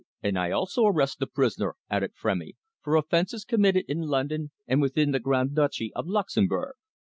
"And I also arrest the prisoner," added Frémy, "for offences committed in London and within the Grand Duchy of Luxemburg."